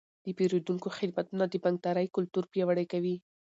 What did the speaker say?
د پیرودونکو خدمتونه د بانکدارۍ کلتور پیاوړی کوي.